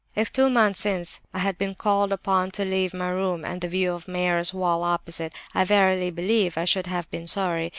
"If two months since I had been called upon to leave my room and the view of Meyer's wall opposite, I verily believe I should have been sorry.